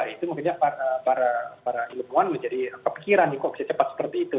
itu mungkin para ilmuwan menjadi kepikiran nih kok bisa cepat seperti itu